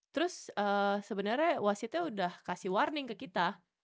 terus sebenarnya wasitnya udah kasih warning ke kita